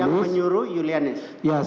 yang menyuruh julianis